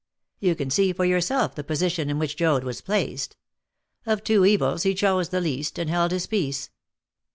You can see for yourself the position in which Joad was placed. Of two evils he chose the least, and held his peace.